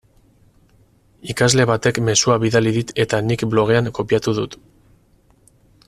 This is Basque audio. Ikasle batek mezua bidali dit eta nik blogean kopiatu dut.